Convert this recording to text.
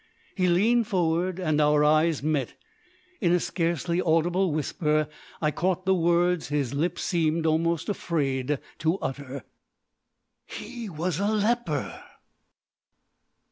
He leaned forward and our eyes met. In a scarcely audible whisper I caught the words his lips seemed almost afraid to utter: "He was a leper!"